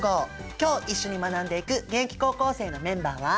今日一緒に学んでいく現役高校生のメンバーは。